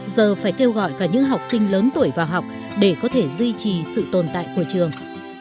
giờ phải kêu gọi cả những học sinh lớn tuổi vào học để có thể duy trì sự tồn tại của trường